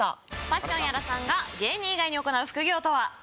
パッション屋良さんが芸人以外に行う副業とは？